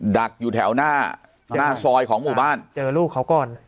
ดักอยู่แถวหน้าหน้าซอยของหมู่บ้านเจอลูกเขาก่อน